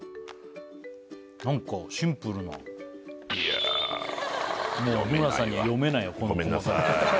何かシンプルなもう日村さんには読めないわごめんなさい